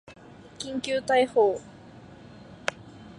緊急逮捕